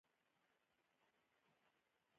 خو د پوره پوهېدو لپاره ځانګړي کسان معلوم وي.